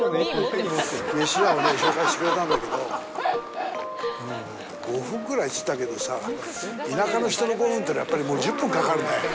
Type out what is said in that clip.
飯屋をね、紹介してくれたんだけど、５分ぐらいって言ってたけどさぁ、田舎の人の５分ってのは、やっぱりもう１０分はかかるね。